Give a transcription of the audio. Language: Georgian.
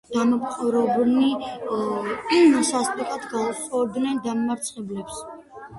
დამპყრობნი სასტიკად გაუსწორდნენ დამარცხებულებს.